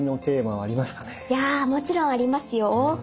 いやもちろんありますよ。